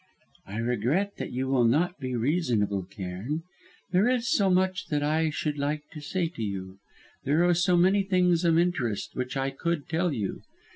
"I regret that you will not be reasonable, Cairn. There is so much that I should like to say to you; there are so many things of interest which I could tell you.